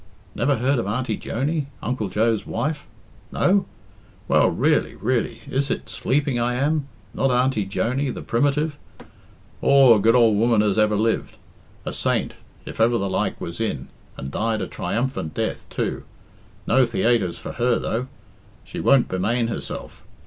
"Never heard of Auntie Joney Uncle Joe's wife? No? Well, really, really is it sleeping I am? Not Auntie Joney, the Primitive? Aw, a good ould woman as ever lived. A saint, if ever the like was in, and died a triumphant death, too. No theaytres for her, though. She won't bemane herself.